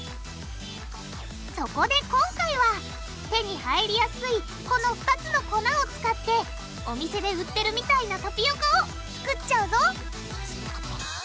そこで今回は手に入りやすいこの２つの粉を使ってお店で売ってるみたいなタピオカを作っちゃうぞ！